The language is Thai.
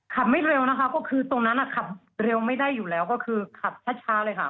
ไม่เร็วนะคะก็คือตรงนั้นขับเร็วไม่ได้อยู่แล้วก็คือขับช้าเลยค่ะ